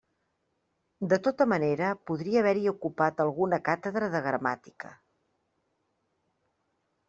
De tota manera podria haver-hi ocupat alguna càtedra de Gramàtica.